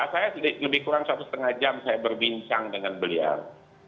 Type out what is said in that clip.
saya lebih kurang satu setengah jam saya berbincang dengan beliau